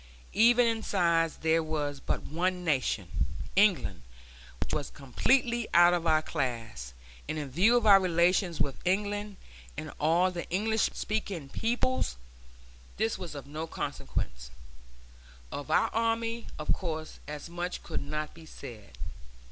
Even in size there was but one nation, England, which was completely out of our class; and in view of our relations with England and all the English speaking peoples, this was of no consequence. Of our army, of course, as much could not be said.